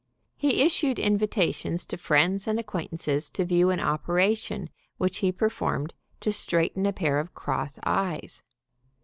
He issued invitations to friends and acquaintances to view an operation which he performed to straighten a pair of cross eyes.